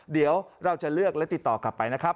เดี๋ยวเราจะเลือกและติดต่อกลับไปนะครับ